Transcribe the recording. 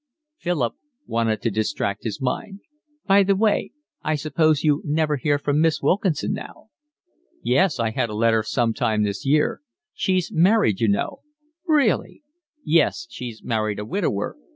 Philip wanted to distract his mind. "By the way, I suppose you never hear from Miss Wilkinson now?" "Yes, I had a letter some time this year. She's married, you know." "Really?" "Yes, she married a widower.